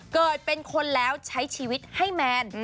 เกิดเป็นคนแล้วใช้ชีวิตให้แมน